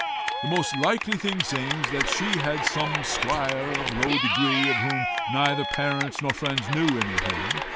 The most likely thing seems, that she had some squire of low degree, of whom neither parents nor friends knew anything.